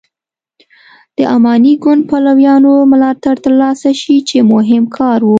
د اماني ګوند پلویانو ملاتړ تر لاسه شي چې مهم کار و.